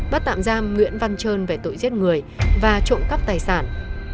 bắt tạm giam nguyễn văn trơn về tội giết người và trộm cắp tài sản